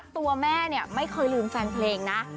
ตัวแม่ไม่เคยลืมแฟนเพลงนะ